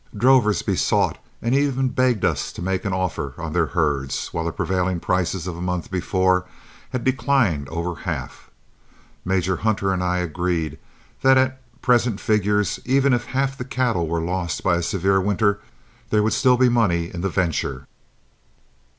Drovers besought and even begged us to make an offer on their herds, while the prevailing prices of a month before had declined over half. Major Hunter and I agreed that at present figures, even if half the cattle were lost by a severe winter, there would still be money in the venture.